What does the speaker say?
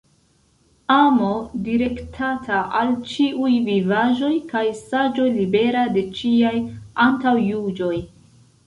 Amo direktata al ĉiuj vivaĵoj kaj saĝo libera de ĉiaj antaŭjuĝoj.